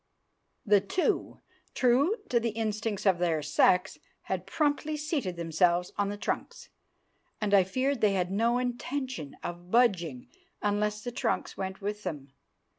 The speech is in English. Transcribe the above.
The two, true to the instincts of their sex, had promptly seated themselves on the trunks, and I feared they had no intention of budging unless the trunks went with them.